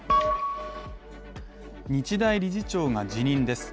日大理事長が辞任です。